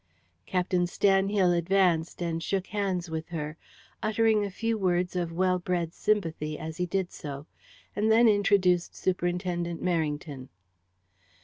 Captain Stanhill advanced and shook hands with her, uttering a few words of well bred sympathy as he did so, and then introduced Superintendent Merrington.